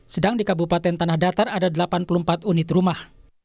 sedang di kabupaten tanah datar ada delapan puluh empat unit rumah